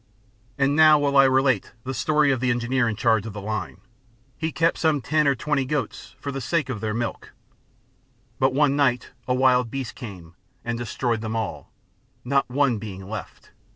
And now will I relate the story of the Engineer in charge of the line. He kept some ten or twenty goats, for the sake of their milk; But one night a wild beast came, and destroyed them all, not one being left.